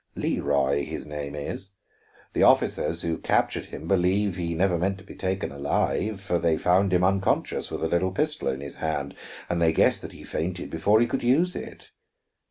Leroy, his name is. The officers who captured him believe he never meant to be taken alive; for they found him unconscious, with a little pistol in his hand, and they guessed that he fainted before he could use it.